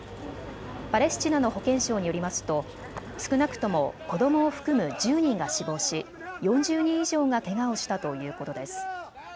パレスチナの保健省によりますと少なくとも子どもを含む１０人が死亡し４０人以上がけがをしたということです。